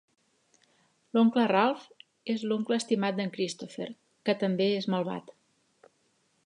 L'oncle Ralph és l'oncle estimat d'en Christopher, que també és malvat.